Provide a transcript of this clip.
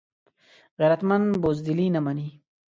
غیرتمند بزدلي نه مني